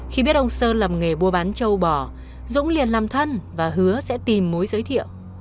khi biết ông sơn làm nghề mua bán châu bò dũng liền làm thân và hứa sẽ tìm mối giới thiệu